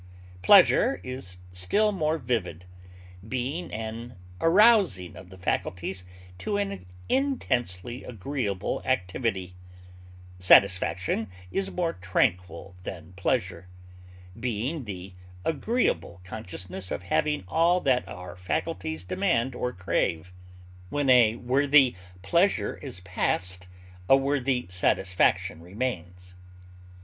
Pleasure is still more vivid, being an arousing of the faculties to an intensely agreeable activity; satisfaction is more tranquil than pleasure, being the agreeable consciousness of having all that our faculties demand or crave; when a worthy pleasure is past, a worthy satisfaction remains.